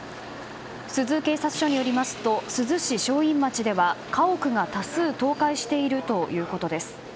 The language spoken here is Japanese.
珠洲警察署によりますと珠洲市正院町では家屋が多数倒壊しているということです。